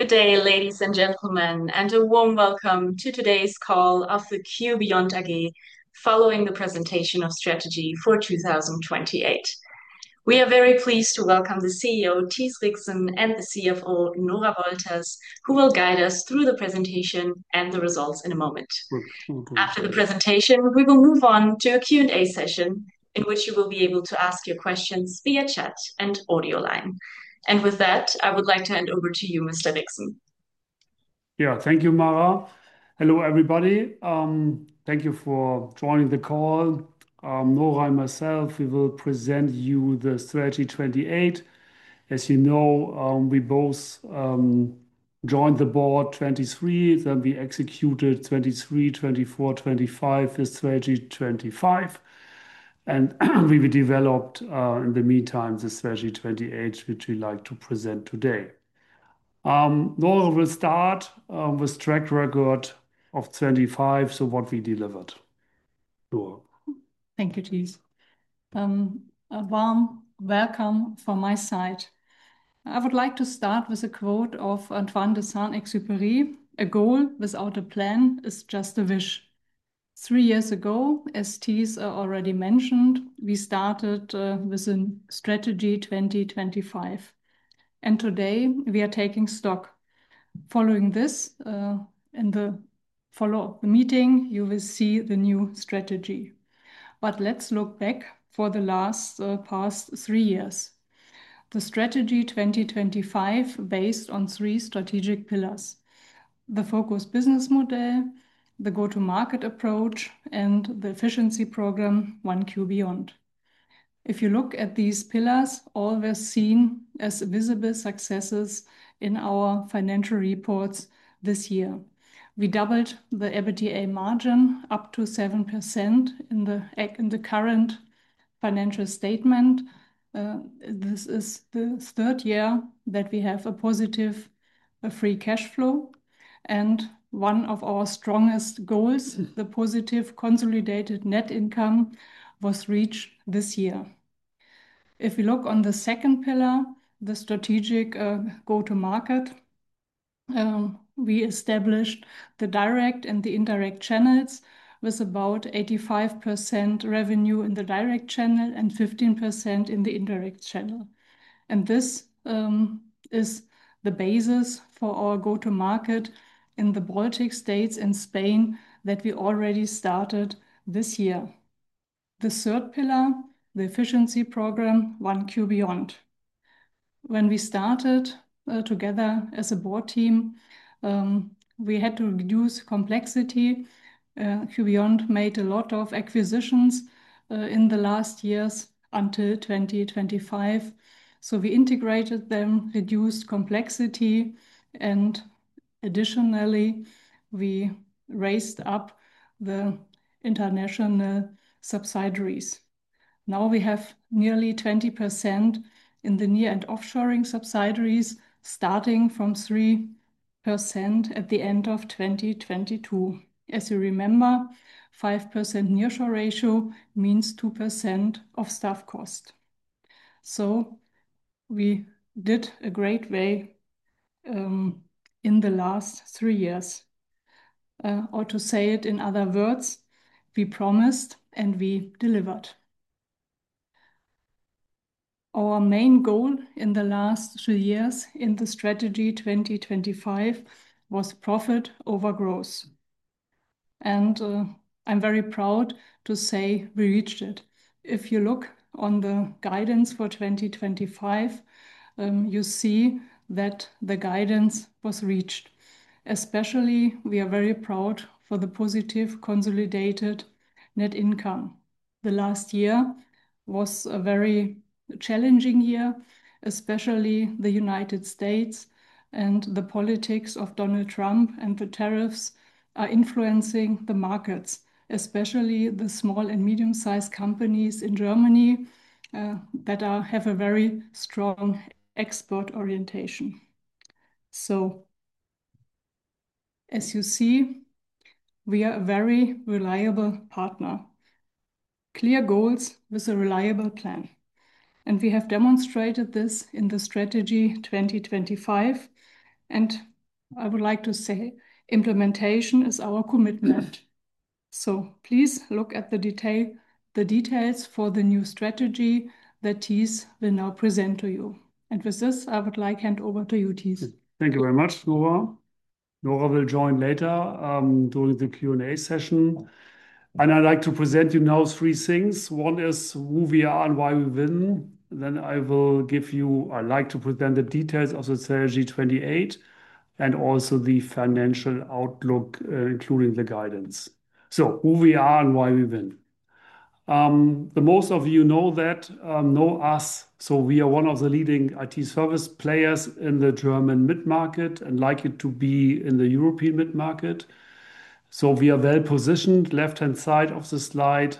Good day, ladies and gentlemen, and a warm welcome to today's call of the q.beyond AG following the presentation of Strategy 2028. We are very pleased to welcome the CEO, Thies Rixen, and the CFO, Nora Wolters, who will guide us through the presentation and the results in a moment. After the presentation, we will move on to a Q&A session in which you will be able to ask your questions via chat and audio line. With that, I would like to hand over to you, Mr. Rixen. Yeah. Thank you, Mara. Hello, everybody. Thank you for joining the call. Nora and myself, we will present you the Strategy 2028. As you know, we both joined the board 2023, then we executed 2023, 2024, 2025, the Strategy 2025. We've developed in the meantime the Strategy 2028, which we'd like to present today. Nora will start with track record of 2025, so what we delivered. Nora. Thank you, Thies. A warm welcome from my side. I would like to start with a quote of Antoine de Saint-Exupéry, "A goal without a plan is just a wish". Three years ago, as Thies already mentioned, we started with Strategy 2025, and today we are taking stock. Following this, in the follow-up meeting, you will see the new strategy. Let's look back for the last past three years. The Strategy 2025 based on three strategic pillars: the focused business model, the go-to-market approach, and the efficiency program One q.beyond. If you look at these pillars, all were seen as visible successes in our financial reports this year. We doubled the EBITDA margin up to 7% in the current financial statement. This is the third year that we have a positive free cash flow. One of our strongest goals, the positive consolidated net income, was reached this year. If you look on the second pillar, the strategic go-to-market, we established the direct and the indirect channels with about 85% revenue in the direct channel and 15% in the indirect channel. This is the basis for our go-to-market in the Baltic States and Spain that we already started this year. The third pillar, the efficiency program, One q.beyond. When we started together as a board team, we had to reduce complexity. q.beyond made a lot of acquisitions in the last years until 2025. So we integrated them, reduced complexity, and additionally we raised up the international subsidiaries. Now we have nearly 20% in the near and offshoring subsidiaries, starting from 3% at the end of 2022. As you remember, 5% nearshore ratio means 2% of staff cost. So we did a great headway in the last three years or to say it in other words, we promised and we delivered. Our main goal in the last three years in the Strategy 2025 was profit over growth. I'm very proud to say we reached it. If you look on the guidance for 2025, you see that the guidance was reached. Especially we are very proud for the positive consolidated net income. The last year was a very challenging year, especially the United States and the politics of Donald Trump, and the tariffs are influencing the markets, especially the small and medium-sized companies in Germany that have a very strong export orientation. As you see, we are a very reliable partner. Clear goals with a reliable plan, and we have demonstrated this in the Strategy 2025, and I would like to say implementation is our commitment. Please look at the details for the new strategy that Thies will now present to you. With this, I would like to hand over to you, Thies. Thank you very much, Nora. Nora will join later, during the Q&A session. I'd like to present you now three things. One is who we are and why we win, then I'd like to present the details of the Strategy 2028 and also the financial outlook, including the guidance. Who we are and why we win. Most of you know us, so we are one of the leading IT service players in the German mid-market and likely to be in the European mid-market. We are well-positioned. Left-hand side of the slide,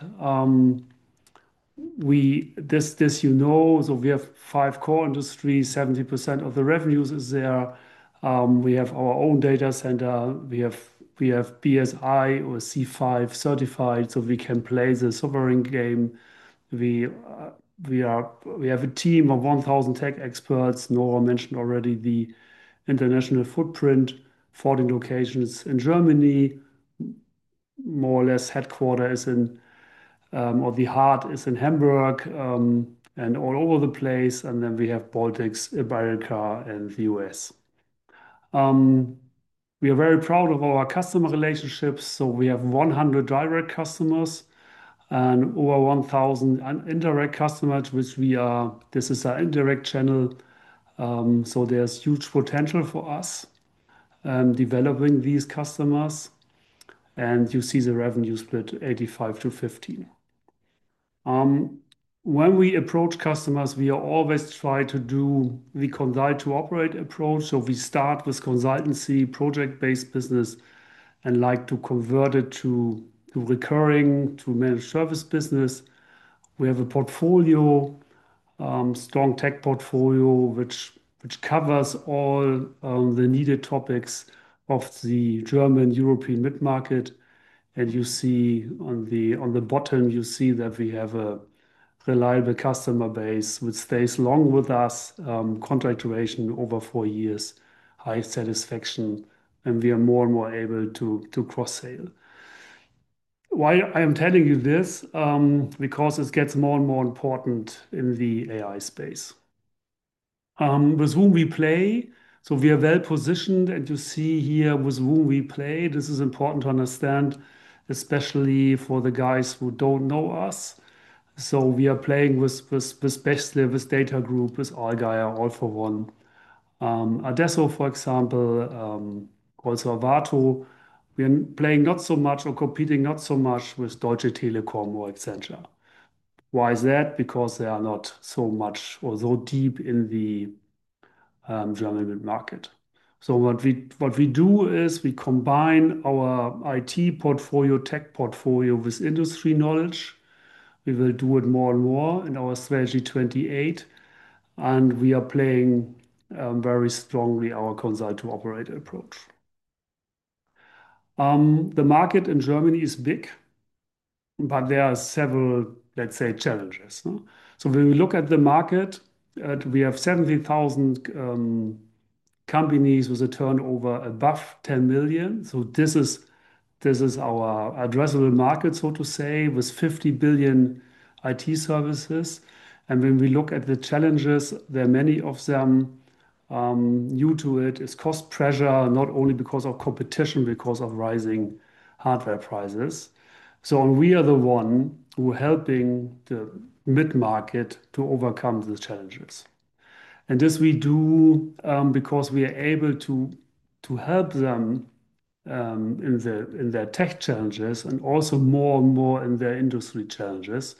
this you know. We have five core industries, 70% of the revenues is there. We have our own data center. We have BSI or C5 certified, so we can play the sovereign game. We have a team of 1,000 tech experts. Nora mentioned already the international footprint, 14 locations in Germany. More or less headquarters in, or the heart is in Hamburg, and all over the place, and then we have Baltics, Iberica, and the U.S.. We are very proud of our customer relationships, so we have 100 direct customers and over 1,000 indirect customers. This is our indirect channel, so there's huge potential for us, developing these customers. You see the revenue split 85%-15%. When we approach customers, we are always try to do the Consult-to-Operate approach. We start with consultancy project-based business and like to convert it to recurring, to managed service business. We have a portfolio, strong tech portfolio which covers all the needed topics of the German European midmarket. You see on the bottom that we have a reliable customer base which stays long with us, contract duration over four years, high satisfaction, and we are more and more able to cross-sell. Why I am telling you this? Because it gets more and more important in the AI space. With whom we play. We are well-positioned, and you see here with whom we play. This is important to understand, especially for the guys who don't know us. We are playing with, especially with DATAGROUP, with Allgeier, All for One. Adesso, for example, also Arvato. We're playing not so much or competing not so much with Deutsche Telekom or et cetera. Why is that? Because they are not so much or so deep in the German midmarket. What we do is we combine our IT portfolio, tech portfolio with industry knowledge. We will do it more and more in our Strategy 2028, and we are playing very strongly our Consult-to-Operate approach. The market in Germany is big, but there are several, let's say, challenges, no? When we look at the market, we have 70,000 companies with a turnover above 10 million. This is our addressable market, so to say, with 50 billion IT services. When we look at the challenges, there are many of them. New to it is cost pressure, not only because of competition, because of rising hardware prices. We are the one who are helping the midmarket to overcome these challenges. This we do because we are able to help them in their tech challenges and also more and more in their industry challenges.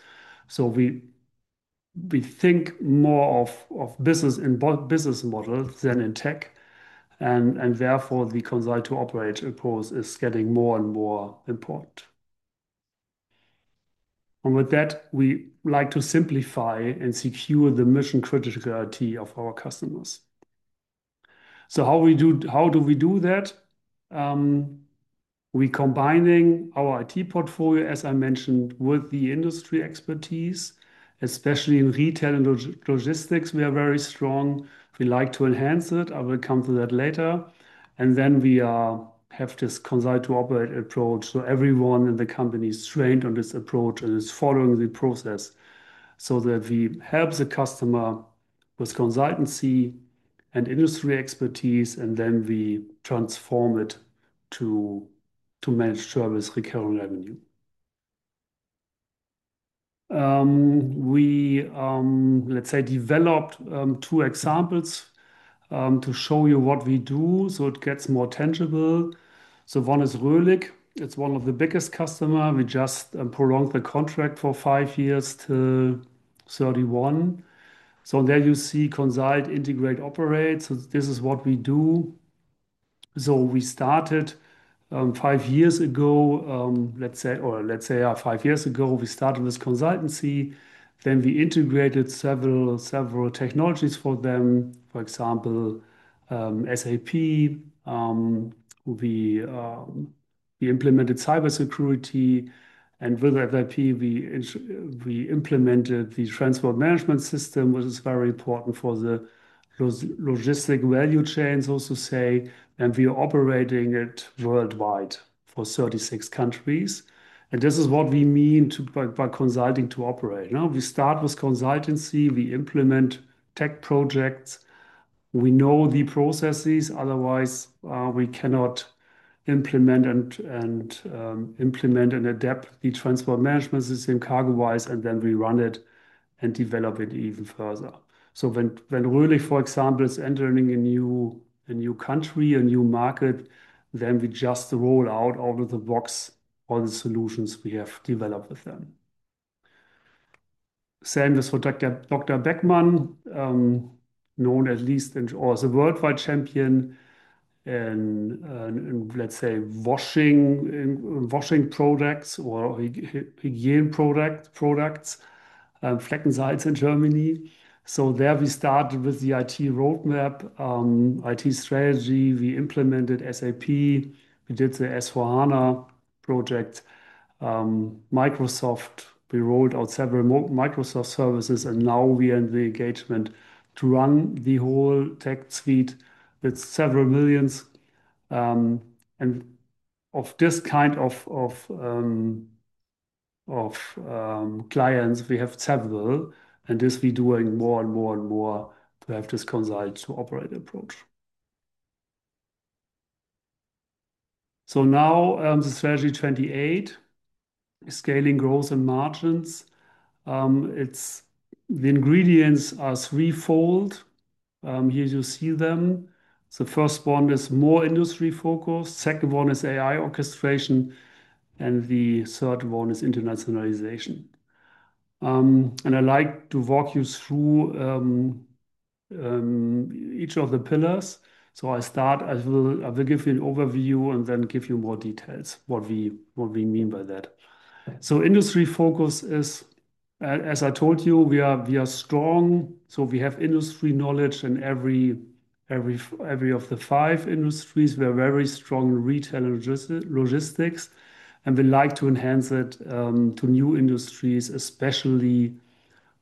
We think more of business and business model than in tech and therefore the Consult-to-Operate approach is getting more and more important. With that, we like to simplify and secure the mission criticality of our customers. How do we do that? We combining our IT portfolio, as I mentioned, with the industry expertise, especially in retail and logistics, we are very strong. We like to enhance it. I will come to that later. We have this Consult-to-Operate approach, so everyone in the company is trained on this approach and is following the process so that we help the customer with consultancy and industry expertise, and then we transform it to managed service recurring revenue. We developed two examples to show you what we do so it gets more tangible. One is Röchling. It is one of the biggest customer. We just prolonged the contract for five years to 2031. There you see consult, integrate, operate. This is what we do. We started five years ago this consultancy. Then we integrated several technologies for them. For example, SAP. We implemented cybersecurity and with SAP we implemented the transport management system, which is very important for the logistic value chains also, say, and we are operating it worldwide for 36 countries. This is what we mean by Consult-to-Operate, no? We start with consultancy, we implement tech projects. We know the processes, otherwise we cannot implement and adapt the transport management system, CargoWise, and then we run it and develop it even further. When Röchling, for example, is entering a new country, a new market, then we just roll out of the box all the solutions we have developed with them. Same as for Dr. Beckmann, known at least in or as a worldwide champion in, let's say, washing products or hygiene products, Fleckenseife in Germany. There we started with the IT roadmap, IT strategy. We implemented SAP. We did the S/4HANA project. Microsoft, we rolled out several Microsoft services, and now we are in the engagement to run the whole tech suite with several millions. Of this kind of clients, we have several, and this we're doing more and more to have this Consult-to-Operate approach. Now, the Strategy 2028, scaling growth and margins. The ingredients are threefold. Here you see them. First one is more industry focus, second one is AI orchestration, and the third one is internationalization. I like to walk you through each of the pillars. I will give you an overview and then give you more details what we mean by that. Industry focus is, as I told you, we are strong, so we have industry knowledge in every of the five industries. We are very strong in retail and logistics, and we like to enhance it to new industries, especially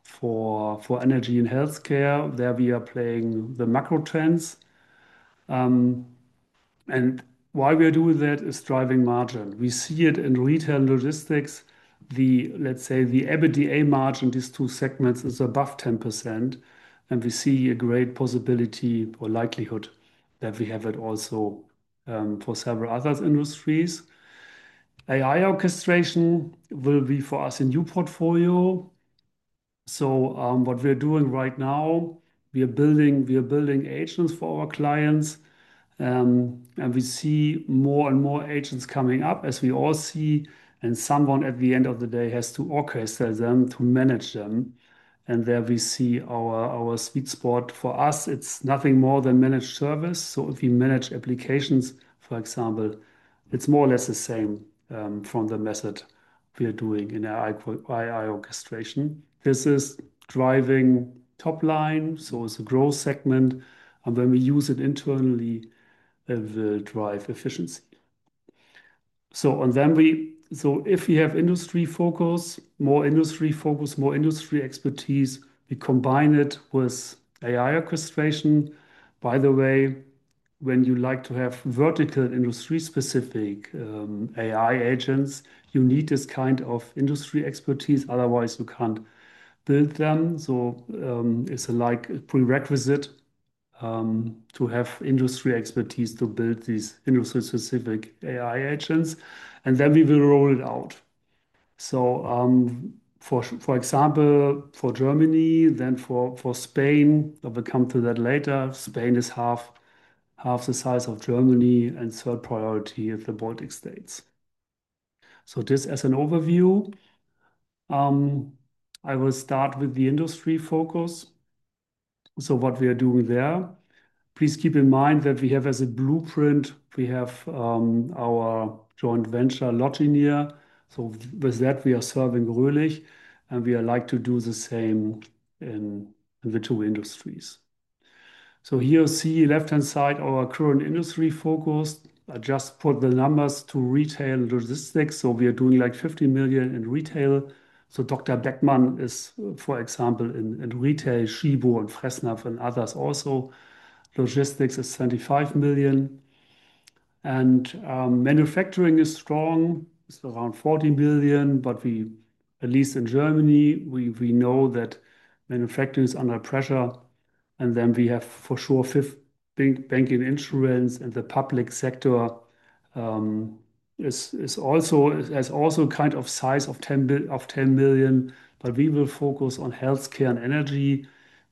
for energy and healthcare. There we are playing the macro trends. Why we are doing that is driving margin. We see it in retail and logistics. Let's say, the EBITDA margin, these two segments is above 10%, and we see a great possibility or likelihood that we have it also for several other industries. AI orchestration will be for us a new portfolio. What we're doing right now, we are building agents for our clients. We see more and more agents coming up, as we all see, and someone at the end of the day has to orchestrate them, to manage them. There we see our sweet spot. For us, it's nothing more than managed service. If we manage applications, for example, it's more or less the same, from the method we are doing in our AI orchestration. This is driving top line, so it's a growth segment, and when we use it internally, we'll drive efficiency. If we have more industry focus, more industry expertise, we combine it with AI orchestration. By the way, when you like to have vertical industry-specific AI agents, you need this kind of industry expertise, otherwise you can't build them. It's like a prerequisite to have industry expertise to build these industry-specific AI agents. Then we will roll it out. For example, for Germany, then for Spain, but we'll come to that later. Spain is half the size of Germany and third priority is the Baltic states. This as an overview. I will start with the industry focus. What we are doing there. Please keep in mind that we have as a blueprint our joint venture, logineer. With that, we are serving Röchling, and we like to do the same in the two industries. Here you see left-hand side our current industry focus. I just put the numbers to retail and logistics. We are doing like 50 million in retail. Dr. Beckmann is, for example, in retail, Tchibo and Fresenius and others also. Logistics is 75 million. Manufacturing is strong. It's around 40 million, but we at least in Germany know that manufacturing is under pressure. Then we have for sure financial, banking insurance and the public sector is also kind of size of 10 million. We will focus on healthcare and energy,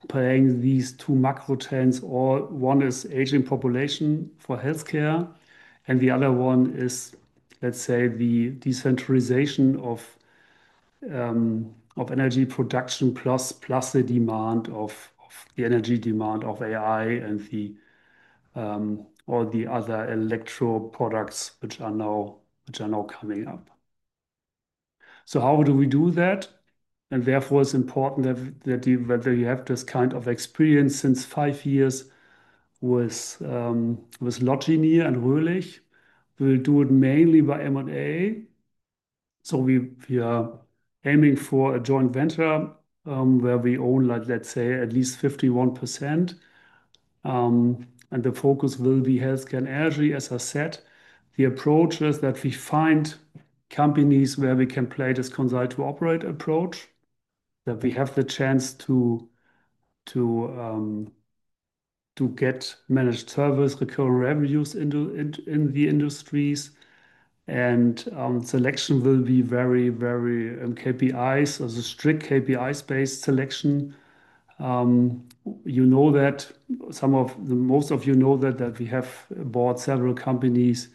playing these two macro trends. One is aging population for healthcare, and the other one is, let's say, the decentralization of energy production, plus the energy demand of AI and all the other electronic products which are now coming up. How do we do that? Therefore, it's important that we have this kind of experience for five years with logineer and Röchling. We'll do it mainly by M&A. We are aiming for a joint venture where we own like, let's say, at least 51%. The focus will be healthcare and energy, as I said. The approach is that we find companies where we can play this Consult-to-Operate approach, that we have the chance to get managed service, recurring revenues in the industries. Selection will be very strict KPIs-based selection. Most of you know that we have bought several companies,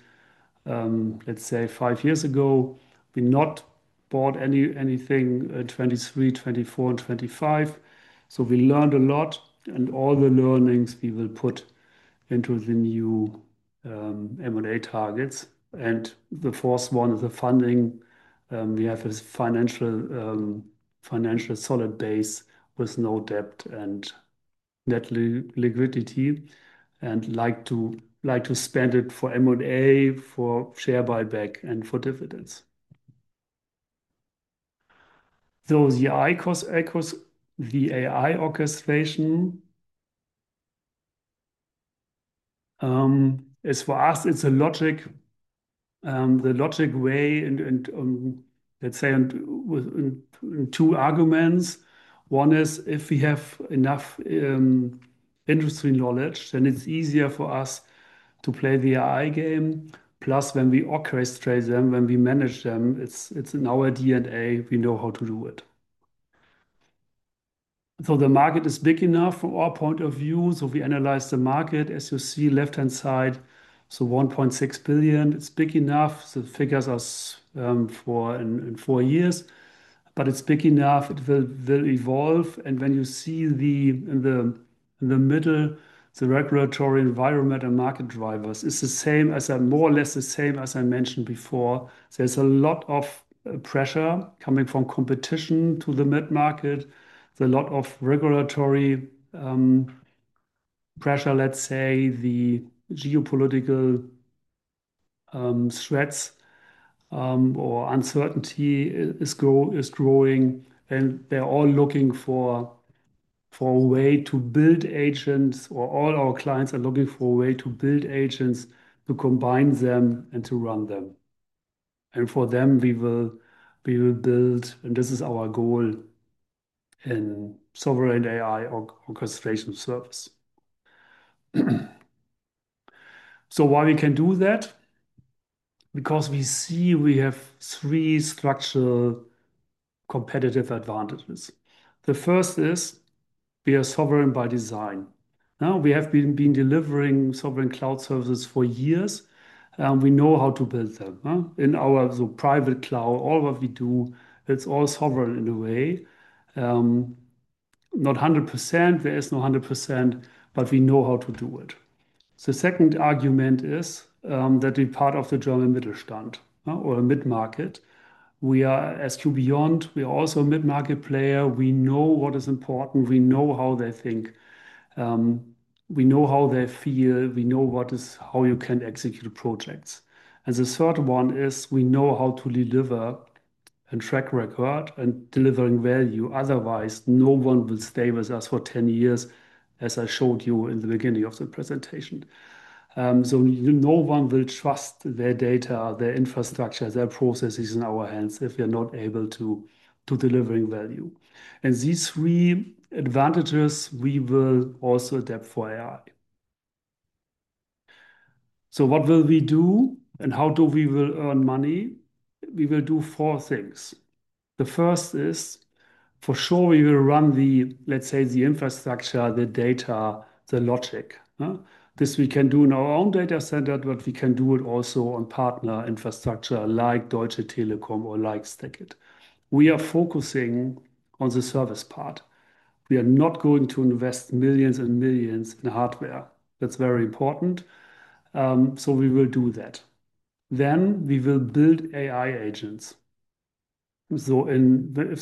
let's say five years ago. We have not bought anything, 2023, 2024 and 2025. We learned a lot, and all the learnings we will put into the new M&A targets. The fourth one is the funding. We have this financial solid base with no debt and net liquidity and like to spend it for M&A, for share buyback and for dividends. The AI orchestration is for us, it's a logic, the logic way and with two arguments. One is if we have enough industry knowledge, then it's easier for us to play the AI game. Plus when we orchestrate them, when we manage them, it's in our DNA, we know how to do it. The market is big enough from our point of view, so we analyze the market. As you see on the left-hand side, 1.6 billion, it's big enough. The figures are for four years. It's big enough, it will evolve. When you see the middle, the regulatory environment and market drivers, it's more or less the same as I mentioned before. There's a lot of pressure coming from competition to the mid-market. There's a lot of regulatory pressure, let's say, the geopolitical threats or uncertainty is growing, and they're all looking for a way to build agents, or all our clients are looking for a way to build agents to combine them and to run them. For them, we will build, and this is our goal, in sovereign AI orchestration service. Why we can do that? Because we see we have three structural competitive advantages. The first is we are sovereign by design. Now we have been delivering sovereign cloud services for years, and we know how to build them. In our private cloud, all what we do, it's all sovereign in a way. Not 100%, there is no 100%, but we know how to do it. The second argument is that we're part of the German Mittelstand, or a mid-market. We are, as q.beyond, we are also a mid-market player. We know what is important. We know how they think. We know how they feel. We know how you can execute projects. The third one is we know how to deliver and track record and delivering value. Otherwise, no one will stay with us for 10 years, as I showed you in the beginning of the presentation. No one will trust their data, their infrastructure, their processes in our hands if we are not able to delivering value. These three advantages we will also adapt for AI. What will we do, and how do we will earn money? We will do four things. The first is, for sure we will run the, let's say, the infrastructure, the data, the logic. Huh? This we can do in our own data center, but we can do it also on partner infrastructure like Deutsche Telekom or like STACKIT. We are focusing on the service part. We are not going to invest millions and millions in hardware. That's very important, so we will do that. We will build AI agents. If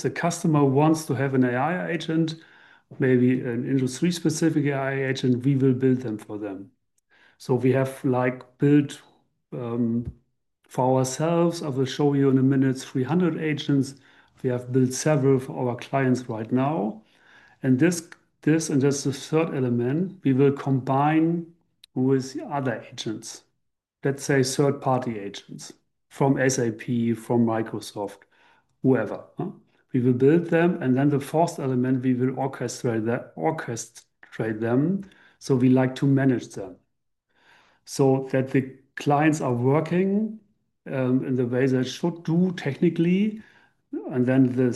the customer wants to have an AI agent, maybe an industry-specific AI agent, we will build them for them. We have, like, built for ourselves. I will show you in a minute, 300 agents. We have built several for our clients right now. This, and there's a third element, we will combine with other agents, let's say third-party agents from SAP, from Microsoft, whoever. We will build them, and then the fourth element, we will orchestrate them. We like to manage them so that the clients are working in the way they should do technically. The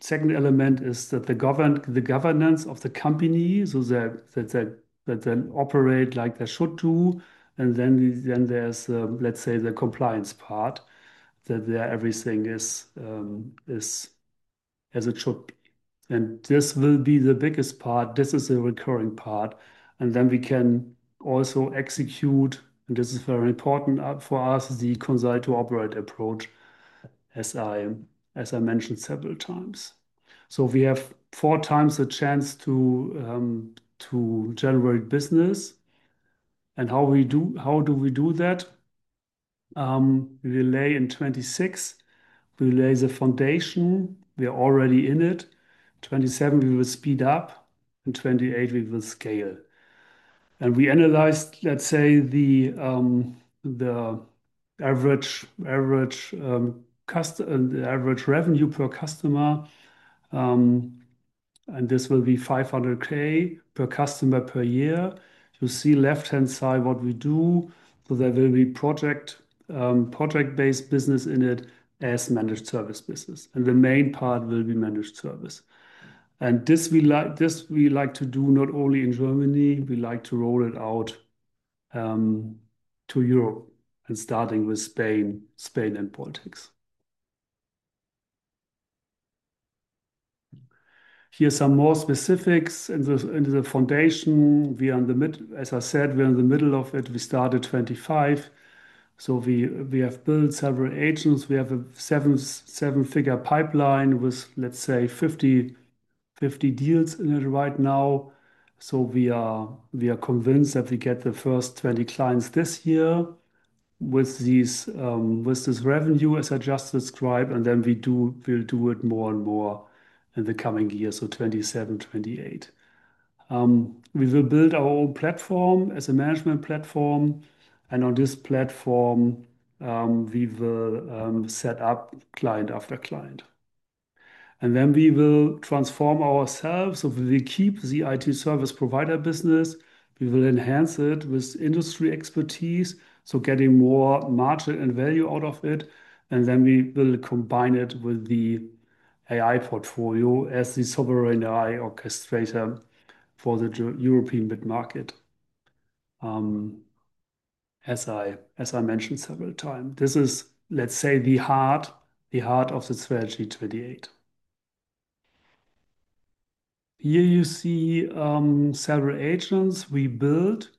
second element is that the governance of the company, that then operate like they should do. There's, let's say, the compliance part, that everything is as it should be. This will be the biggest part. This is a recurring part. We can also execute, and this is very important for us, the Consult-to-Operate approach, as I mentioned several times. We have 4x the chance to generate business. How do we do that? We lay in 2026, we lay the foundation. We are already in it. 2027, we will speed up. In 2028, we will scale. We analyzed, let's say, the average revenue per customer, and this will be 500 thousand per customer per year. You see left-hand side what we do. There will be project-based business in it as managed service business, and the main part will be managed service. This we like to do not only in Germany, we like to roll it out to Europe, and starting with Spain and Baltics. Here are some more specifics into the foundation. We are in the middle of it. As I said, we are in the middle of it. We start at 2025. We have built several agents. We have a seven-figure pipeline with, let's say, 50 deals in it right now. We are convinced that we get the first 20 clients this year. With this revenue as I just described, and then we'll do it more and more in the coming years, so 2027, 2028. We will build our own platform as a management platform, and on this platform, we will set up client after client. We will transform ourselves. We keep the IT service provider business. We will enhance it with industry expertise, so getting more margin and value out of it, and then we will combine it with the AI portfolio as the sovereign AI orchestrator for the European mid-market, as I mentioned several times. This is, let's say, the heart of the Strategy 2028. Here you see several agents we built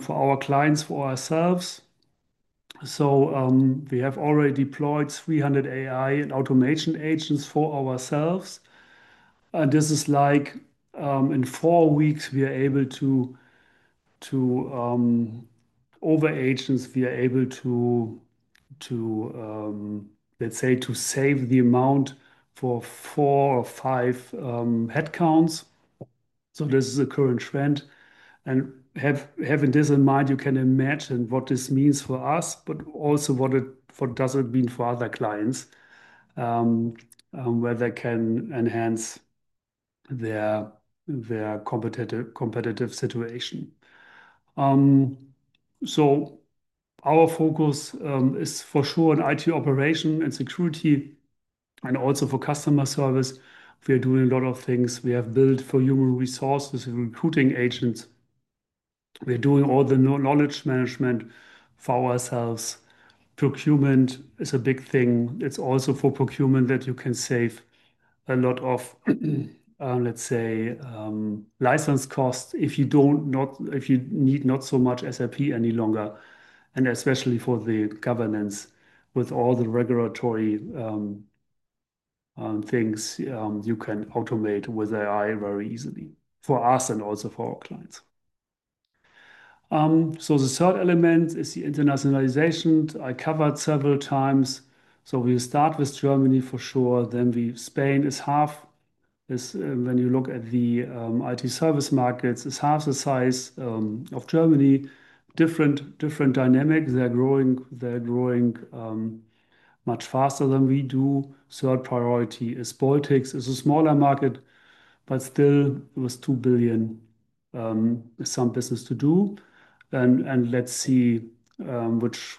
for our clients, for ourselves. We have already deployed 300 AI and automation agents for ourselves. This is like in four weeks we are able to, AI agents we are able to let's say to save the amount for four or five headcounts. This is a current trend. Having this in mind, you can imagine what this means for us, but also what it means for other clients where they can enhance their competitive situation. Our focus is for sure in IT operation and security and also for customer service. We are doing a lot of things. We have built for human resources and recruiting agents. We're doing all the knowledge management for ourselves. Procurement is a big thing. It's also for procurement that you can save a lot of, let's say, license costs if you need not so much SAP any longer, and especially for the governance with all the regulatory things, you can automate with AI very easily for us and also for our clients. The third element is the internationalization. I covered several times. We'll start with Germany for sure. Spain is half this when you look at the IT service markets. It's half the size of Germany. Different dynamic. They're growing much faster than we do. Third priority is Baltics. It's a smaller market but still with 2 billion some business to do. Let's see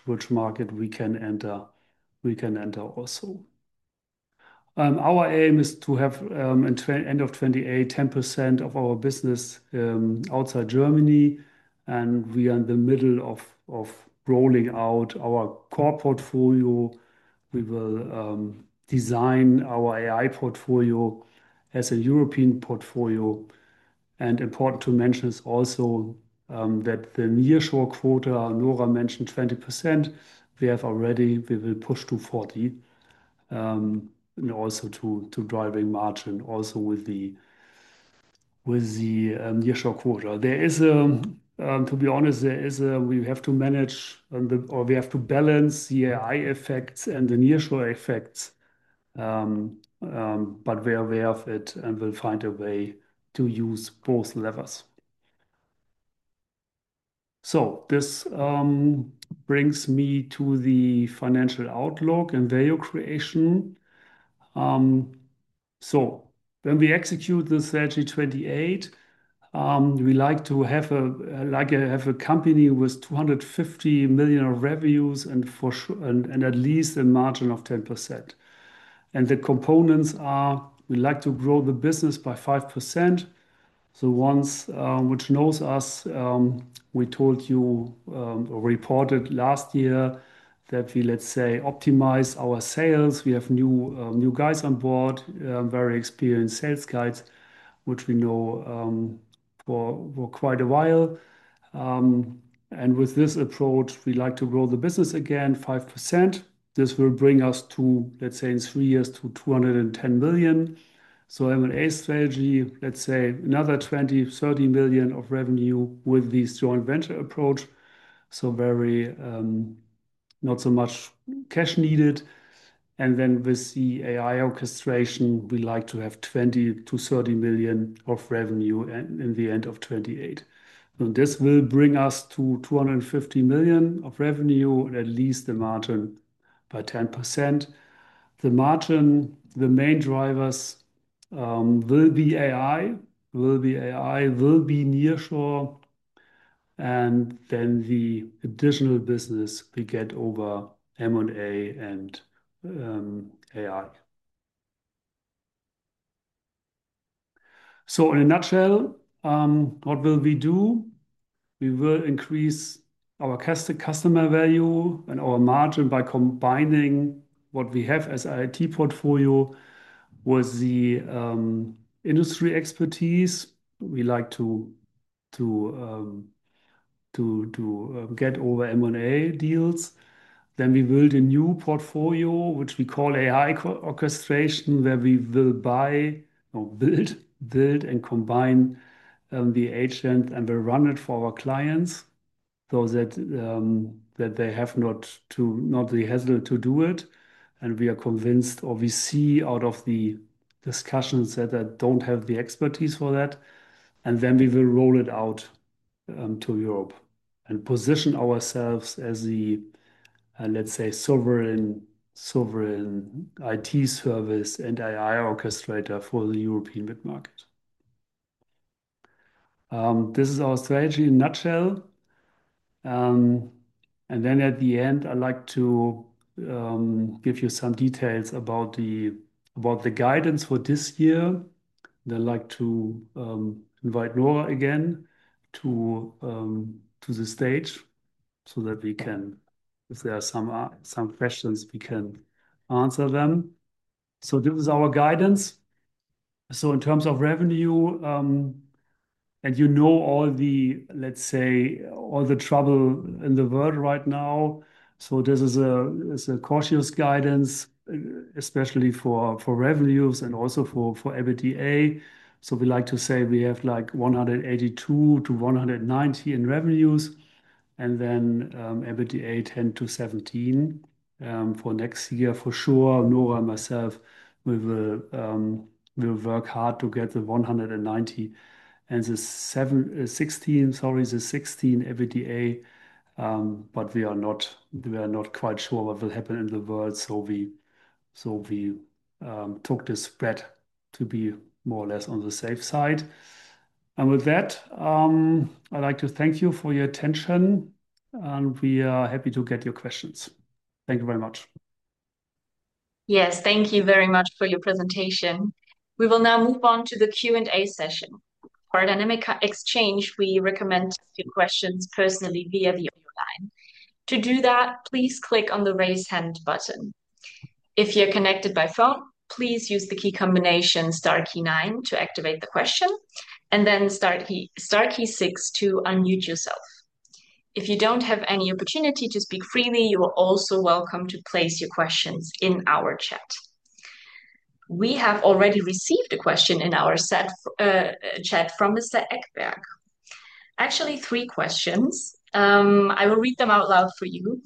which market we can enter, we can enter also. Our aim is to have, in end of 2028, 10% of our business outside Germany, and we are in the middle of rolling out our core portfolio. We will design our AI portfolio as a European portfolio. Important to mention is also that the nearshore quota, Nora mentioned 20%, we will push to 40%, you know, also to driving margin also with the nearshore quota. To be honest, we have to balance the AI effects and the nearshore effects, but we're aware of it and we'll find a way to use both levers. This brings me to the financial outlook and value creation. When we execute the Strategy 2028, we like to have a company with 250 million of revenues and at least a margin of 10%. The components are we'd like to grow the business by 5%. Once which knows us, we told you or reported last year that we, let's say, optimize our sales. We have new guys on board, very experienced sales guys, which we know for quite a while. With this approach, we like to grow the business again 5%. This will bring us to, let's say, in three years to 210 million. M&A strategy, let's say, another 20-30 million of revenue with this joint venture approach. Very, not so much cash needed. Then with the AI orchestration, we like to have 20 million-30 million of revenue at, in the end of 2028. This will bring us to 250 million of revenue and at least a margin by 10%. The margin, the main drivers will be AI, nearshore, and then the additional business we get over M&A and AI. In a nutshell, what will we do? We will increase our customer value and our margin by combining what we have as IT portfolio with the industry expertise. We like to get over M&A deals. We build a new portfolio, which we call AI orchestration, where we will buy or build and combine the agent, and we run it for our clients so that they have not the hassle to do it. We are convinced, or we see out of the discussions that they don't have the expertise for that. We will roll it out to Europe and position ourselves as the, let's say sovereign IT service and AI orchestrator for the European mid-market. This is our strategy in a nutshell. At the end, I'd like to give you some details about the guidance for this year. I'd like to invite Nora again to the stage so that we can. If there are some questions, we can answer them. This is our guidance. In terms of revenue, and you know all the, let's say all the trouble in the world right now. This is a cautious guidance, especially for revenues and also for EBITDA. We like to say we have like 182-190 in revenues, and then EBITDA 10-17 for next year for sure. Nora and myself, we will work hard to get the 190 and the 16 EBITDA, but we are not quite sure what will happen in the world, so we took the spread to be more or less on the safe side. With that, I'd like to thank you for your attention, and we are happy to get your questions. Thank you very much. Yes. Thank you very much for your presentation. We will now move on to the Q&A session. For a dynamic exchange, we recommend your questions personally via the audio line. To do that, please click on the Raise Hand button. If you're connected by phone, please use the key combination star key nine to activate the question and then star key, star key six to unmute yourself. If you don't have any opportunity to speak freely, you are also welcome to place your questions in our chat. We have already received a question in our chat from Mr. Ekberg. Actually, three questions. I will read them out loud for you.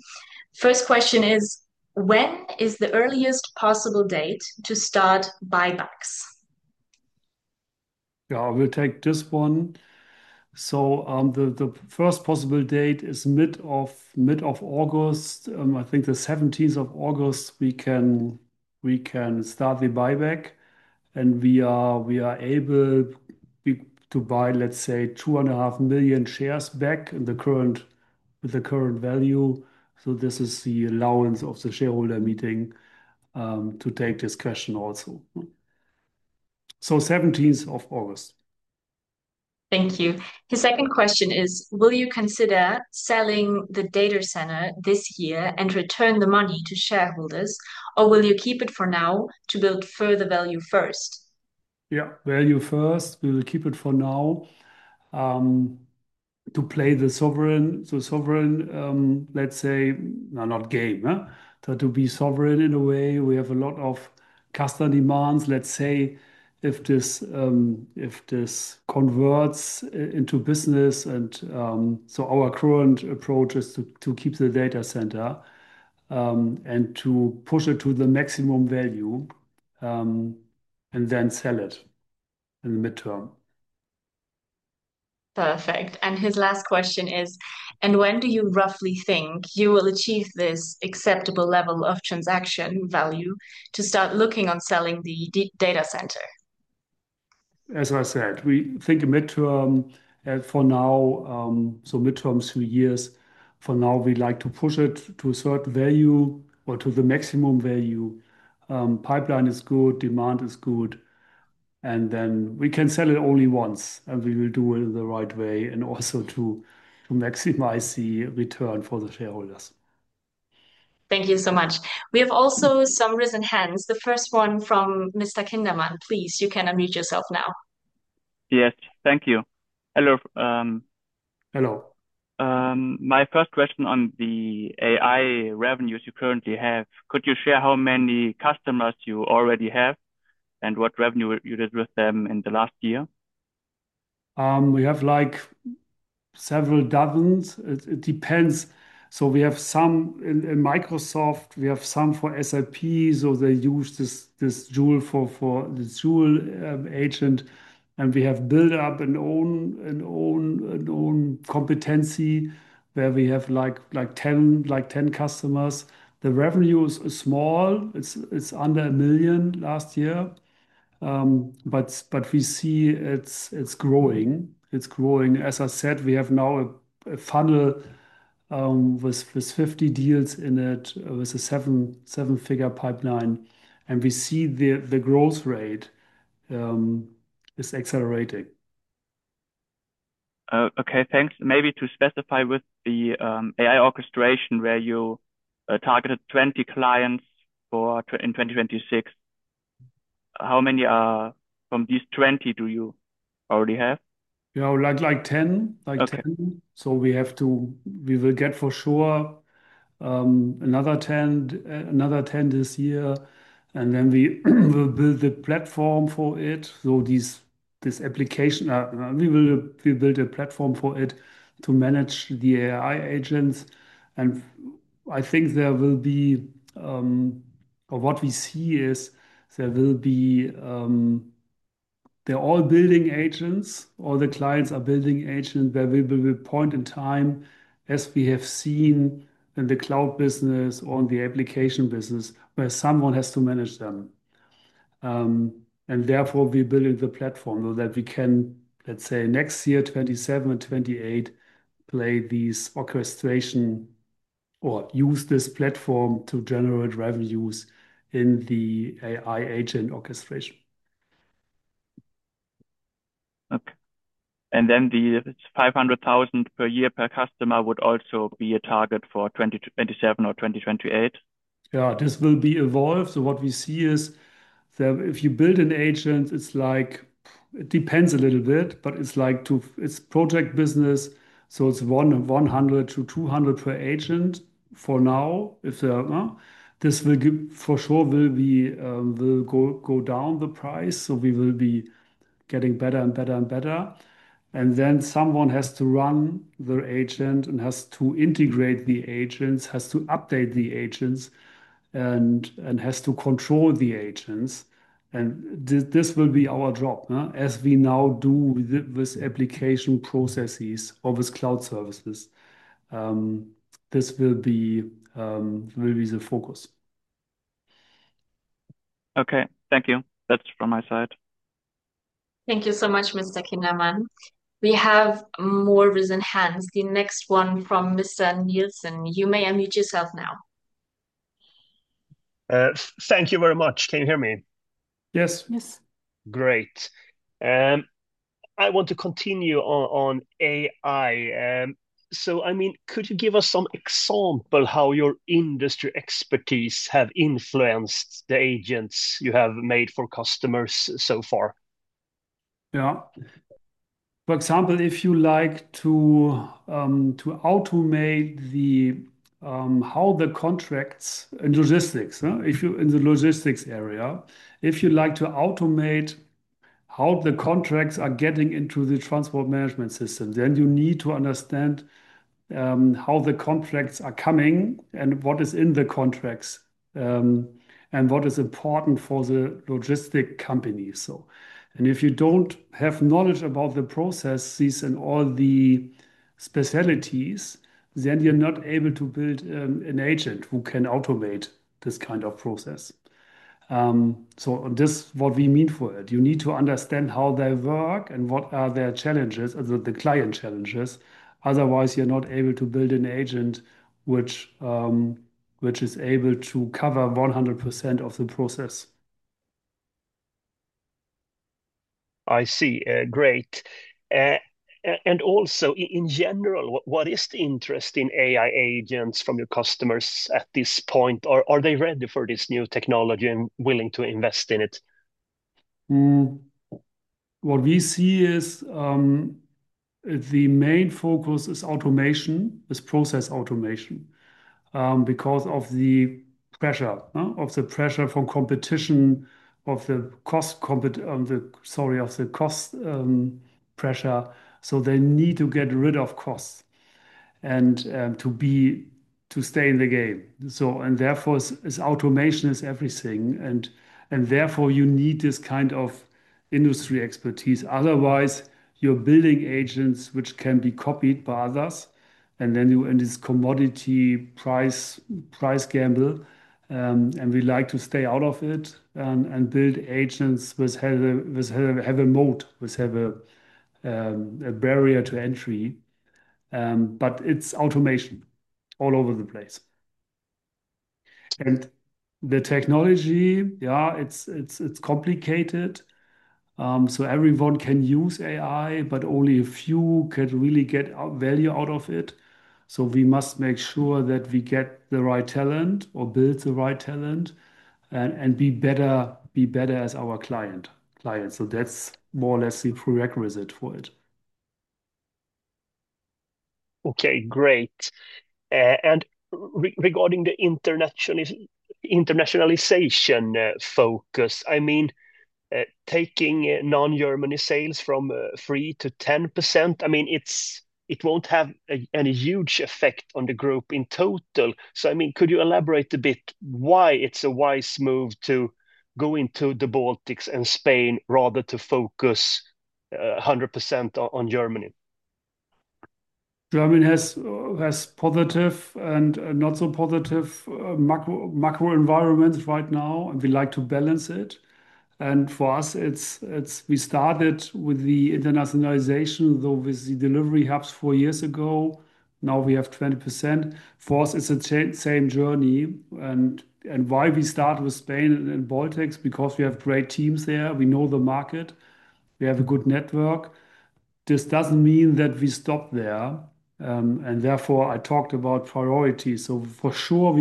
First question is: When is the earliest possible date to start buybacks? Yeah. I will take this one. The first possible date is mid of August. I think the 17th of August we can start the buyback, and we are able to buy, let's say, 2.5 million shares back with the current value. This is the allowance of the shareholder meeting to take this question also. 17th of August. Thank you. His second question is, will you consider selling the data center this year and return the money to shareholders, or will you keep it for now to build further value first? Yeah. Value first. We will keep it for now, to play the sovereign, let's say, to be sovereign in a way. We have a lot of customer demands. Let's say if this converts into business and, so our current approach is to keep the data center, and to push it to the maximum value, and then sell it in the midterm. Perfect. His last question is: When do you roughly think you will achieve this acceptable level of transaction value to start looking into selling the data center? As I said, we think midterm for now. Midterm is two years. For now, we like to push it to a certain value or to the maximum value. Pipeline is good, demand is good, and then we can sell it only once, and we will do it in the right way and also to maximize the return for the shareholders. Thank you so much. We have also some raised hands. The first one from Mr. Kindermann. Please, you can unmute yourself now. Yes. Thank you. Hello. Hello. My first question on the AI revenues you currently have, could you share how many customers you already have and what revenue you did with them in the last year? We have like several dozens. It depends. We have some in Microsoft, we have some for SAPs, or they use this Joule for the Joule agent. We have built up our own competency where we have like 10 customers. The revenue is small. It's under 1 million last year. We see it's growing. As I said, we have now a funnel with 50 deals in it, with a seven-figure pipeline. We see the growth rate is accelerating. Okay. Thanks. Maybe to specify with the AI orchestration where you targeted 20 clients for in 2026. How many are from these 20 do you already have? Yeah, like 10. Okay. Like 10. We will get for sure another 10 this year, and then we will build a platform for it. This application we build a platform for it to manage the AI agents. I think there will be. What we see is there will be they're all building agents, all the clients are building agents. There will be a point in time, as we have seen in the cloud business or in the application business, where someone has to manage them. Therefore we're building the platform so that we can, let's say, next year, 2027 and 2028, play these orchestration or use this platform to generate revenues in the AI agent orchestration. Okay. The 500,000 per year per customer would also be a target for 2027 or 2028? Yeah. This will be evolved. What we see is that if you build an agent, it depends a little bit, but it's project business, so it's 1 or 100-200 per agent for now. For sure, the price will go down. We will be getting better and better and better. Then someone has to run their agent and has to integrate the agents, has to update the agents, and has to control the agents. This will be our job, huh, as we now do with application processes or with cloud services. This will be the focus. Okay. Thank you. That's from my side. Thank you so much, Mr. Kindermann. We have more raised hands. The next one from Mr. Nilsson. You may unmute yourself now. Thank you very much. Can you hear me? Yes. Yes. Great. I want to continue on AI. I mean, could you give us some example how your industry expertise have influenced the agents you have made for customers so far? Yeah. For example, if you like to automate how the contracts and logistics. If you're in the logistics area, if you like to automate how the contracts are getting into the transport management system, then you need to understand how the contracts are coming and what is in the contracts, and what is important for the logistic company. If you don't have knowledge about the processes and all the specialties, then you're not able to build an agent who can automate this kind of process. This is what we mean by it. You need to understand how they work and what are their challenges, the client challenges. Otherwise, you're not able to build an agent which is able to cover 100% of the process. I see. Great. Also in general, what is the interest in AI agents from your customers at this point? Are they ready for this new technology and willing to invest in it? What we see is the main focus is automation, is process automation, because of the pressure of the pressure from competition, of the cost pressure. They need to get rid of costs and to stay in the game. Therefore it's automation is everything, and therefore you need this kind of industry expertise. Otherwise, you're building agents which can be copied by others and then you end this commodity price gamble. We like to stay out of it and build agents which have a moat, which have a barrier to entry. It's automation all over the place. The technology, yeah, it's complicated. Everyone can use AI, but only a few can really get value out of it. We must make sure that we get the right talent or build the right talent and be better as our client. That's more or less the prerequisite for it. Okay. Great. Regarding the internationalization focus, I mean, taking non-Germany sales from 3%-10%, I mean, it won't have a huge effect on the group in total. I mean, could you elaborate a bit why it's a wise move to go into the Baltics and Spain rather than to focus 100% on Germany? Germany has positive and not so positive macro environment right now, and we like to balance it. For us it's. We started with the internationalization though with the delivery hubs four years ago. Now we have 20%. For us it's the same journey. Why we start with Spain and Baltics, because we have great teams there. We know the market. We have a good network. This doesn't mean that we stop there, and therefore I talked about priorities. For sure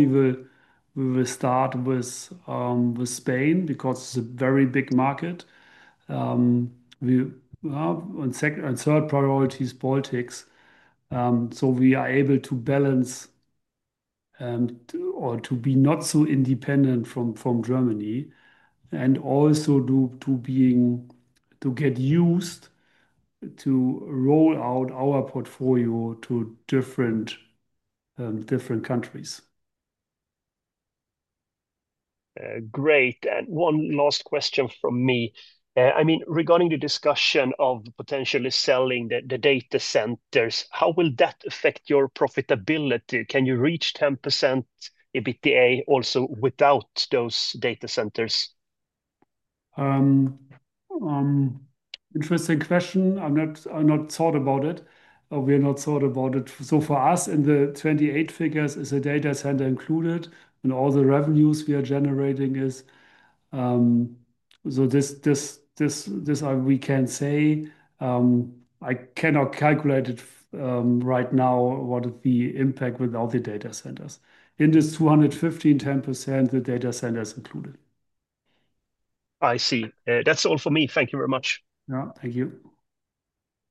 we will start with Spain because it's a very big market. Our third priority is politics. We are able to balance and to or to be not so independent from Germany and also due to to get used to roll out our portfolio to different countries. Great. One last question from me. I mean, regarding the discussion of potentially selling the data centers, how will that affect your profitability? Can you reach 10% EBITDA also without those data centers? Interesting question. I have not thought about it or we have not thought about it. For us, in the 2028 figures a data center is included, and all the revenues we are generating is. We can say, I cannot calculate it right now what the impact without the data centers. In this 215, 10%, the data center is included. I see. That's all for me. Thank you very much. Yeah. Thank you.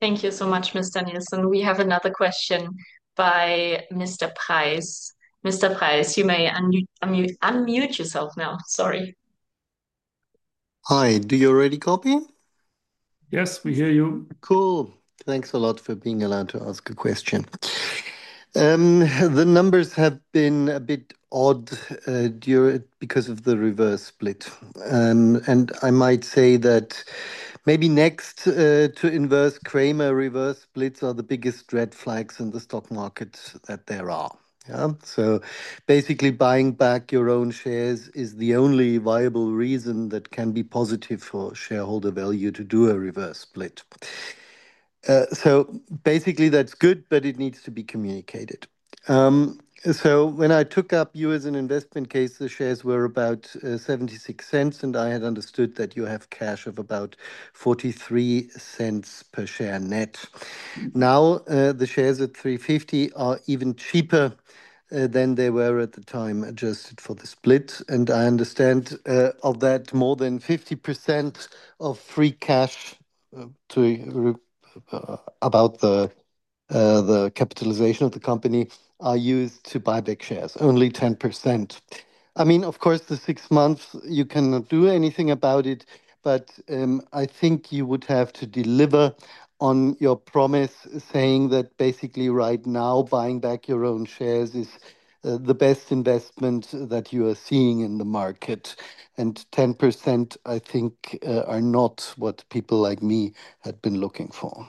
Thank you so much, Mr. Nilsson. We have another question by Mr. Preis. Mr. Preis, you may unmute yourself now. Sorry. Hi. Do you already copy? Yes, we hear you. Cool. Thanks a lot for being allowed to ask a question. The numbers have been a bit odd because of the reverse split. I might say that maybe next to Inverse Cramer reverse splits are the biggest red flags in the stock market that there are. Yeah. Basically buying back your own shares is the only viable reason that can be positive for shareholder value to do a reverse split. Basically that's good, but it needs to be communicated. When I took you up as an investment case, the shares were about 0.76, and I had understood that you have cash of about 0.43 per share net. Now, the shares at 3.50 are even cheaper than they were at the time, adjusted for the split. I understand that more than 50% of free cash about the capitalisation of the company are used to buy back shares. Only 10%. I mean, of course the six months you cannot do anything about it. I think you would have to deliver on your promise saying that basically right now buying back your own shares is the best investment that you are seeing in the market. 10% I think are not what people like me had been looking for.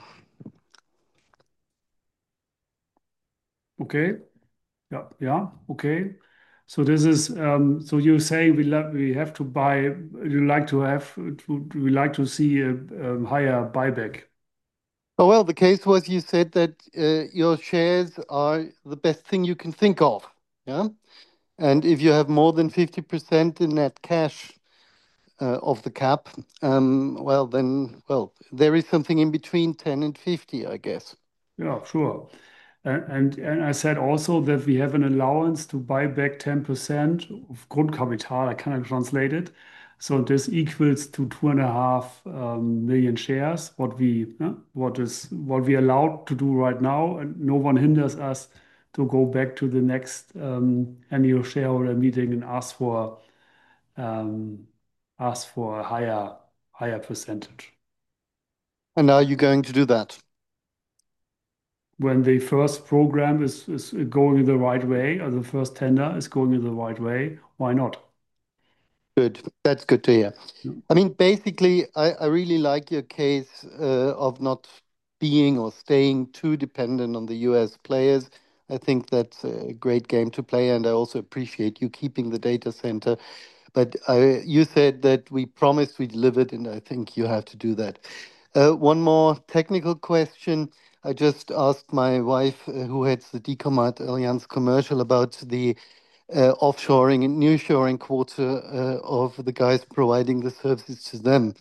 Okay. Yeah, yeah. Okay. You're saying we'd like to see a higher buyback. Well, the case was you said that your shares are the best thing you can think of. Yeah? If you have more than 50% in net cash of the cap, then there is something in between 10%-50%, I guess. I said also that we have an allowance to buy back 10% of Grundkapital. I cannot translate it. This equals 2.5 million shares. What we're allowed to do right now, and no one hinders us to go back to the next annual shareholder meeting and ask for a higher percentage. Are you going to do that? When the first program is going in the right way or the first tender is going in the right way, why not? Good. That's good to hear. I mean, basically, I really like your case of not being or staying too dependent on the U.S. players. I think that's a great game to play, and I also appreciate you keeping the data center. You said that we promise, we deliver, and I think you have to do that. One more technical question. I just asked my wife who heads the Allianz SE commercial about the offshoring and nearshoring quota of the guys providing the services to them.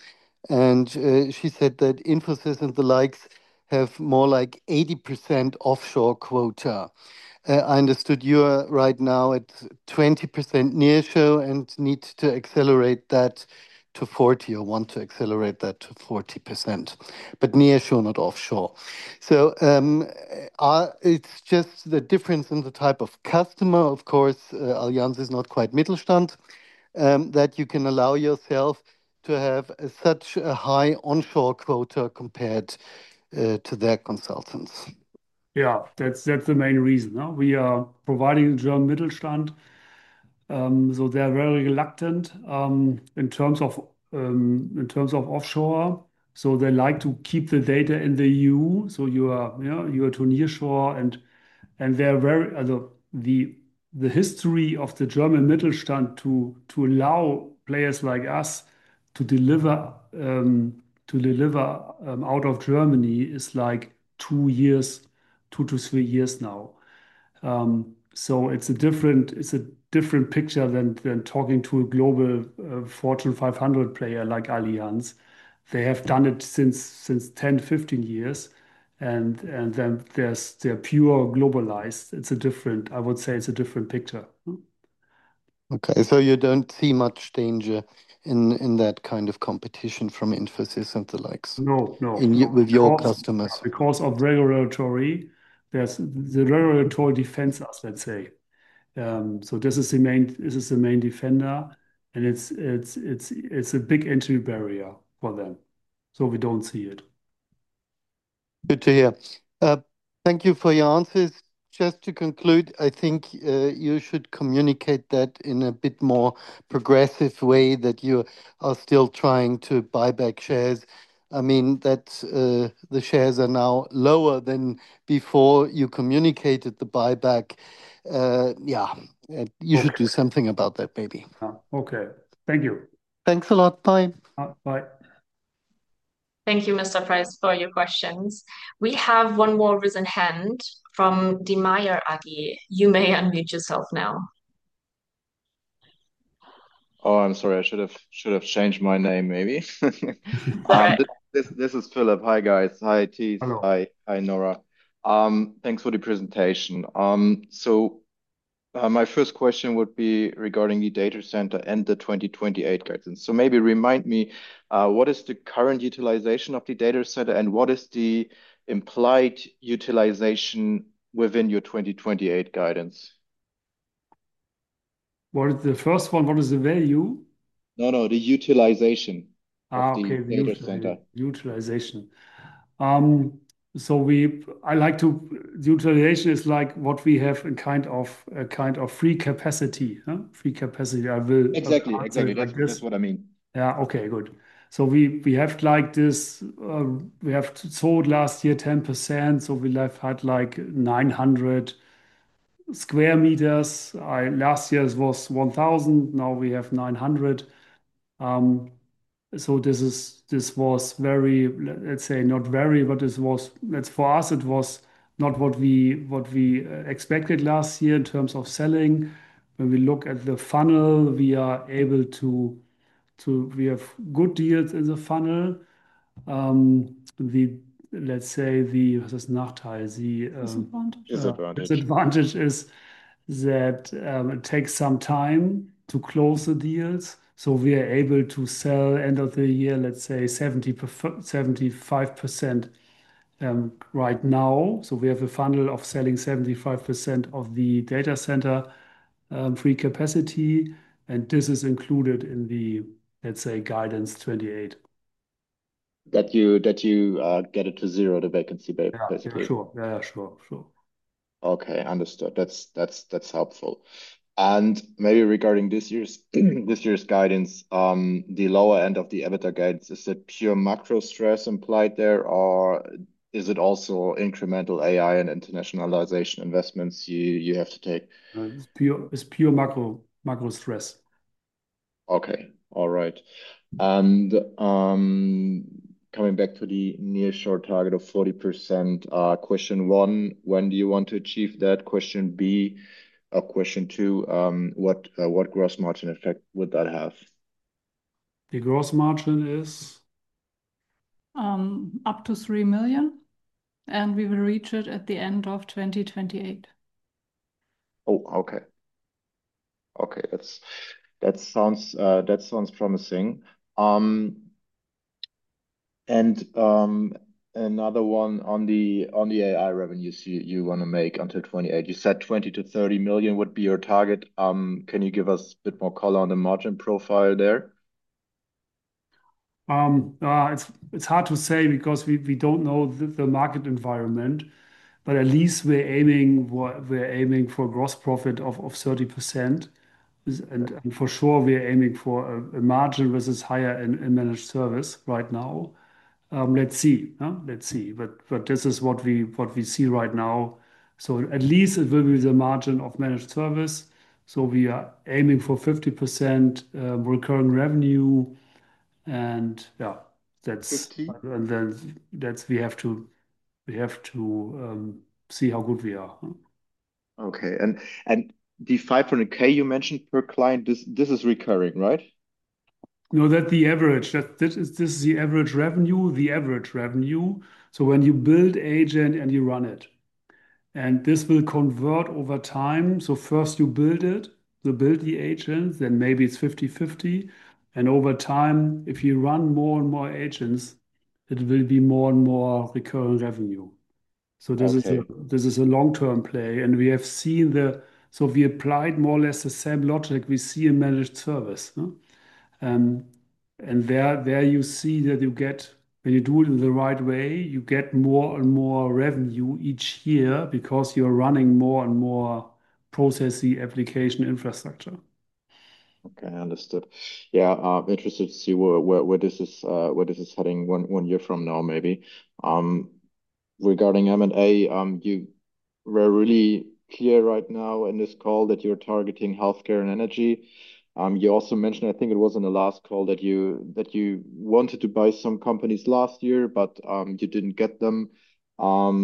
She said that Infosys and the likes have more like 80% offshore quota. I understood you are right now at 20% nearshore and need to accelerate that to 40%, or want to accelerate that to 40%. Nearshore, not offshore. It's just the difference in the type of customer, of course, Allianz is not quite Mittelstand, that you can allow yourself to have such a high onshore quota compared to their consultants. Yeah. That's the main reason. We are providing German Mittelstand, so they are very reluctant in terms of offshore. They like to keep the data in the EU, so you know you are to nearshore. The history of the German Mittelstand to allow players like us to deliver out of Germany is like two to three years now. So it's a different picture than talking to a global Fortune 500 player like Allianz. They have done it since 10-15 years. They're purely globalized. It's a different picture. I would say it's a different picture. Okay. You don't see much danger in that kind of competition from Infosys and the likes? No, no. With your customers? The regulatory defends us, let's say. This is the main defender, and it's a big entry barrier for them. We don't see it. Good to hear. Thank you for your answers. Just to conclude, I think you should communicate that in a bit more progressive way that you are still trying to buy back shares. I mean, that the shares are now lower than before you communicated the buyback. Yeah, you should do something about that maybe. Oh, okay. Thank you. Thanks a lot. Bye. Bye. Thank you, Mr. Preis, for your questions. We have one more raised hand from Demeir Agi. You may unmute yourself now. Oh, I'm sorry. I should have changed my name maybe. All right. This is Philip. Hi, guys. Hi, Thies. Hello. Hi. Hi, Nora. Thanks for the presentation. My first question would be regarding the data center and the 2028 guidance. Maybe remind me, what is the current utilization of the data center, and what is the implied utilization within your 2028 guidance? What is the first one? What is the value? No, the utilization. Oh, okay. Of the data center. Utilization is like what we have in kind of a kind of free capacity, huh? Free capacity. Exactly. Like this. That's what I mean. We have like this, we have sold last year 10%, so we're left at like 900 sq m. Last year it was 1,000 sq m, now we have 900 sq m. This was very. Let's say, not very, but this was. For us it was not what we expected last year in terms of selling. When we look at the funnel, we are able to. We have good deals in the funnel. Let's say the. Disadvantage. Disadvantage. The disadvantage is that it takes some time to close the deals, so we are able to sell end of the year, let's say 75%, right now. We have a funnel of selling 75% of the data center free capacity, and this is included in the, let's say, guidance 2028. That you get it to zero, the vacancy basically. Yeah, sure. Okay, understood. That's helpful. Maybe regarding this year's guidance, the lower end of the EBITDA guidance, is it pure macro stress implied there or is it also incremental AI and internationalization investments you have to take? No, it's pure macro stress. Okay. All right. Coming back to the near-shore target of 40%, question one, when do you want to achieve that? Question two, what gross margin effect would that have? The gross margin is? Up to 3 million, and we will reach it at the end of 2028. That sounds promising. Another one on the AI revenues you wanna make until 2028. You said 20 million-30 million would be your target. Can you give us a bit more color on the margin profile there? It's hard to say because we don't know the market environment. At least we're aiming for a gross profit of 30%. For sure we are aiming for a margin versus higher in managed service right now. Let's see. This is what we see right now. At least it will be the margin of managed service, so we are aiming for 50% recurring revenue. 50%? That we have to see how good we are, huh? The 500,000 you mentioned per client, this is recurring, right? No, that's the average. This is the average revenue. So when you build agent and you run it, and this will convert over time. So first you build it, you build the agent, then maybe it's 50/50. Over time, if you run more and more agents, it will be more and more recurring revenue. Okay. This is a long-term play. We applied more or less the same logic we see in managed service, huh? There you see that when you do it in the right way, you get more and more revenue each year because you're running more and more process the application infrastructure. Okay, understood. Yeah. I'm interested to see where this is heading one year from now maybe. Regarding M&A, we're really clear right now in this call that you're targeting healthcare and energy. You also mentioned, I think it was in the last call, that you wanted to buy some companies last year but you didn't get them. How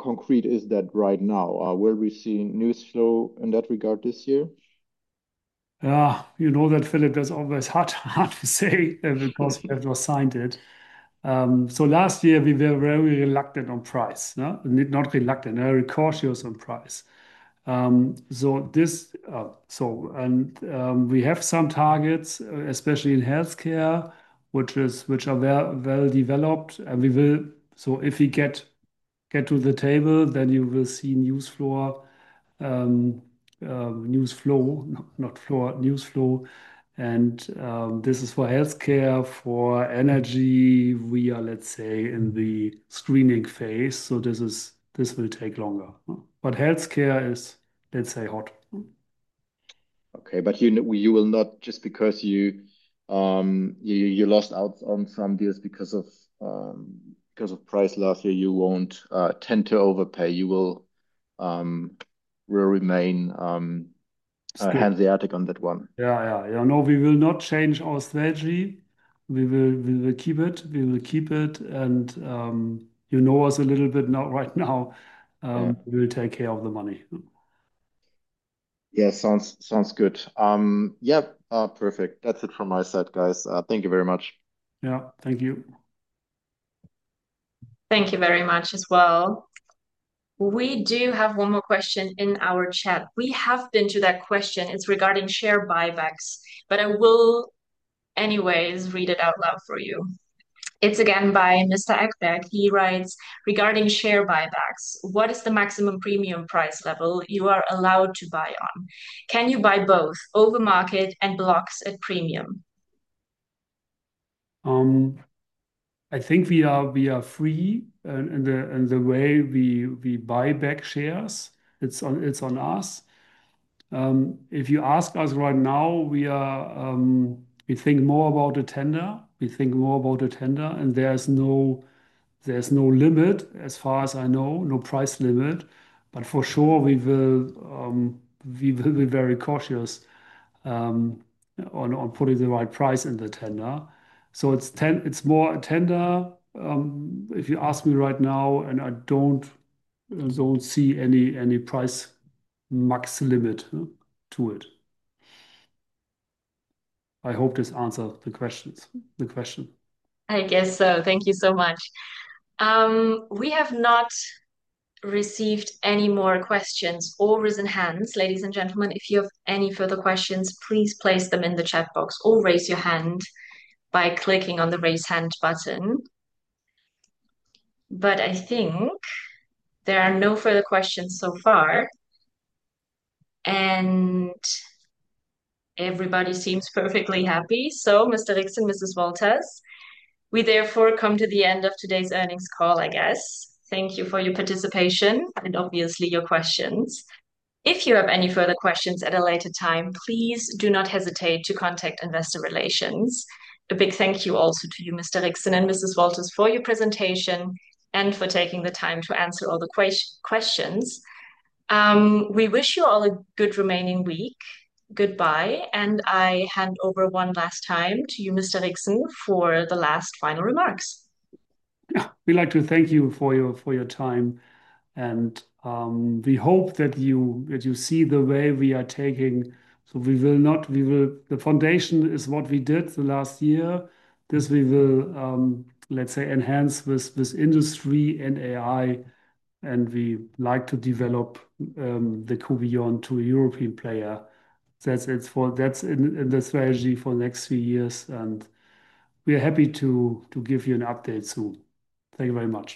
concrete is that right now? Will we see news flow in that regard this year? You know that, Philipp, that's always hard to say. Yeah. Because we have not signed it. Last year we were very reluctant on price, no? Not reluctant, cautious on price. We have some targets, especially in healthcare, which are well-developed, and we will if we get to the table, then you will see news flow. Not floor, news flow. This is for healthcare. For energy, we are, let's say, in the screening phase, this will take longer. Healthcare is, let's say, hot. Okay. You will not, just because you lost out on some deals because of price last year, you won't tend to overpay. You will remain hands at it on that one. Yeah, yeah. No, we will not change our strategy. We will keep it and, you know us a little bit now, right now. Yeah. We will take care of the money. Yeah. Sounds good. Yeah. Perfect. That's it from my side, guys. Thank you very much. Yeah. Thank you. Thank you very much as well. We do have one more question in our chat. We have been to that question, it's regarding share buybacks, but I will anyways read it out loud for you. It's again by Mr. Ekberg. He writes, "Regarding share buybacks, what is the maximum premium price level you are allowed to buy on? Can you buy both over market and blocks at premium?”. I think we are free in the way we buy back shares. It's on us. If you ask us right now, we think more about the tender and there's no limit as far as I know, no price limit. For sure we will be very cautious on putting the right price in the tender. It's more a tender, if you ask me right now, and I don't see any price max limit to it. I hope this answer the question. I guess so. Thank you so much. We have not received any more questions or risen hands, ladies and gentlemen. If you have any further questions, please place them in the chat box or raise your hand by clicking on the Raise Hand button. I think there are no further questions so far, and everybody seems perfectly happy. Mr. Rixen, Mrs. Wolters, we therefore come to the end of today's earnings call, I guess. Thank you for your participation and obviously your questions. If you have any further questions at a later time, please do not hesitate to contact investor relations. A big thank you also to you, Mr. Rixen and Mrs. Wolters, for your presentation and for taking the time to answer all the questions. We wish you all a good remaining week. Goodbye. I hand over one last time to you, Mr. Rixen, for the last final remarks. Yeah. We'd like to thank you for your time and we hope that you see the way we are taking. The foundation is what we did the last year. This we will, let's say, enhance with industry and AI, and we like to develop the q.beyond to a European player. That's in the strategy for the next few years and we are happy to give you an update soon. Thank you very much.